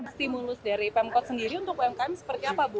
stimulus dari pemkot sendiri untuk umkm seperti apa bu